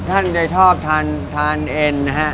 ท่านจะชอบทานเอ็นนะฮะ